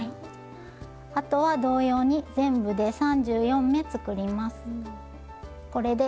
あとは同様に全部で３４目作ります。